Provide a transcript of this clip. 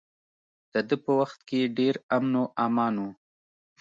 د ده په وخت کې ډیر امن و امان و.